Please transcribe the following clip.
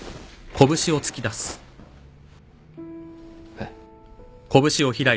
えっ？